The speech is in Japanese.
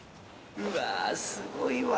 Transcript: うわすごいわ。